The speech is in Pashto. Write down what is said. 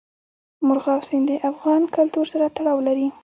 مورغاب سیند د افغان کلتور سره تړاو لري.